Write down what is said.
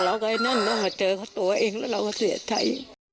เราก็เจอเขาตัวเองแล้วเราก็เสียใจ